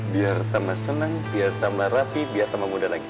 biar tambah senang biar tambah rapi biar tambah muda lagi